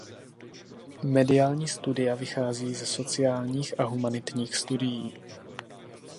Mediální studia vychází se sociálních a humanitních studií.